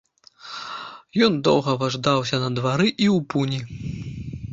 Ён доўга важдаўся на двары і ў пуні.